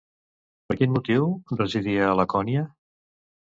Per quin motiu residia a Lacònia?